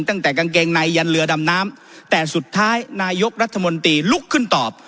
กางเกงในยันเรือดำน้ำแต่สุดท้ายนายกรัฐมนตรีลุกขึ้นตอบ